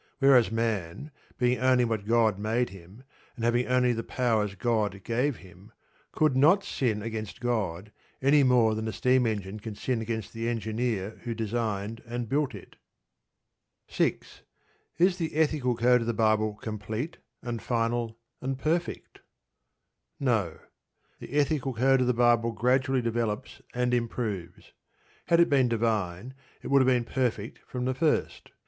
Whereas man, being only what God made him, and having only the powers God gave him, could not sin against God any more than a steam engine can sin against the engineer who designed and built it. 6. Is the ethical code of the Bible complete, and final, and perfect? No. The ethical code of the Bible gradually develops and improves. Had it been divine it would have been perfect from the first.